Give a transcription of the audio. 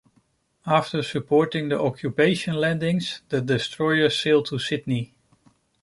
After supporting the occupation landings, the destroyer sailed to Sydney.